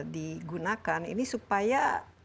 digunakan ini supaya